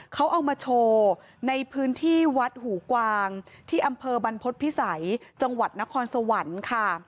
เขาเอามาโชว์ในพื้นที่วัดหูกวางที่อำเภอบรรพฤษภิษัยจังหวัดนครสวรรค์ค่ะ